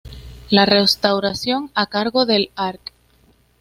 La restauración, a cargo del Arq.